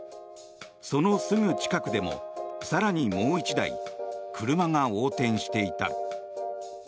そのすぐ近くでも更にもう１台車が横転していた。